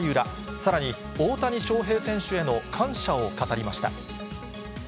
さらに、大谷翔平選手への感謝を語りました。